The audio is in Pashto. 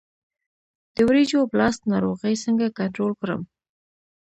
د وریجو بلاست ناروغي څنګه کنټرول کړم؟